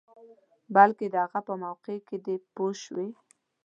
بلکې د هغه په موقع کې دی پوه شوې!.